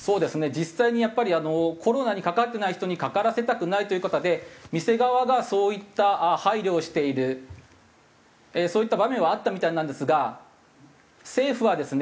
実際にやっぱりコロナにかかってない人にかからせたくないという事で店側がそういった配慮をしているそういった場面はあったみたいなんですが政府はですね